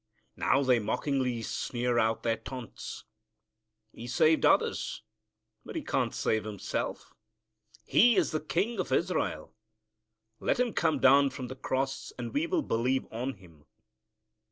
Now they mockingly sneer out their taunts, "He saved others; but He can't save Himself. He is the King of Israel. Let Him come down from the cross and we will believe on Him."